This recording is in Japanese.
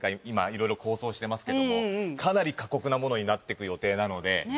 今いろいろ構想してますけどもかなり過酷なものになってく予定なので。